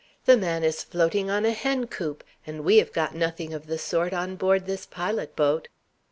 The man is floating on a hen coop, and we have got nothing of the sort on board this pilot boat.'"